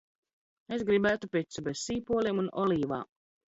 Es grib?tu picu bez s?poliem un ol?v?m.